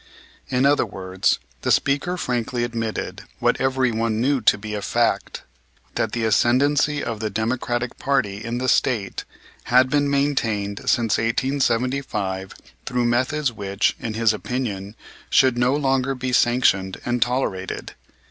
In other words, the speaker frankly admitted, what everyone knew to be a fact, that the ascendency of the Democratic party in the State had been maintained since 1875 through methods which, in his opinion, should no longer be sanctioned and tolerated.